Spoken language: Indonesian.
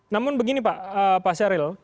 namun begini pak syahril